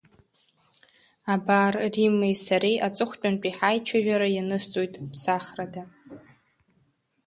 Абар Риммеи сареи аҵыхәтәантәи ҳаицәажәара, ианысҵоит ԥсахрада.